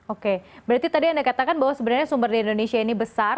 oke berarti tadi anda katakan bahwa sebenarnya sumber di indonesia ini besar